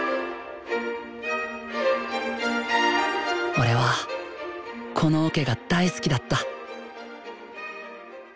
俺はこのオケが大好きだった。